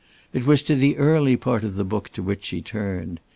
It was to the early part of the book to which she turned.